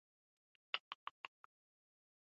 په سفرنامه کښي اصلي محور راوي ده، چي کیسه لیکي.